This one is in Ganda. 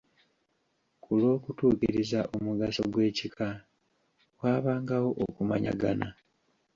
"Ku lw’okutuukiriza omugaso gw'ekika, waabangawo okumanyagana."